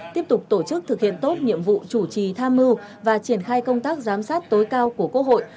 tiếp tục tổ chức thực hiện tốt nhiệm vụ chủ trì tham mưu và triển khai công tác giám sát tối cao của quốc hội